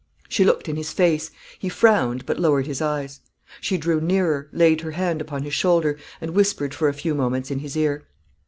She looked in his face; he frowned, but lowered his eyes. She drew nearer, laid her hand upon his shoulder, and whispered for a few moments in his ear.